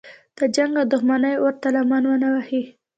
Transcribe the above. د جنګ او دښمنۍ اور ته لمن ونه وهي.